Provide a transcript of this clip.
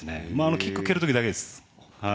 キック、蹴る時だけです。